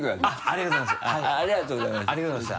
ありがとうございます。